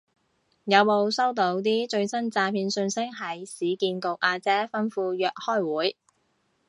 有冇收到啲最新詐騙訊息係市建局阿姐吩咐約開會